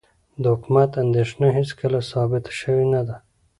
د حکومت اندېښنه هېڅکله ثابته شوې نه ده.